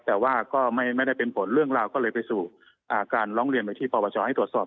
แต่ว่าก็ไม่ได้เป็นผลเรื่องราวก็เลยไปสู่การร้องเรียนไปที่ปปชให้ตรวจสอบ